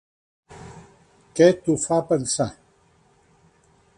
Què t'ho fa pensar?